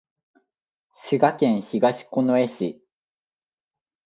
滋賀県東近江市